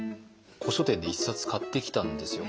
古書店で１冊買ってきたんですよ。